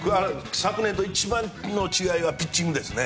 昨年と一番の違いはピッチングですね。